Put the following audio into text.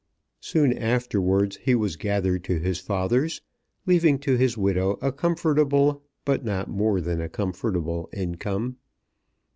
Soon afterwards he was gathered to his fathers, leaving to his widow a comfortable, but not more than a comfortable, income.